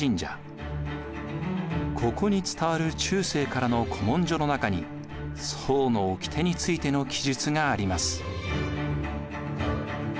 ここに伝わる中世からの古文書の中に惣のおきてについての記述があります。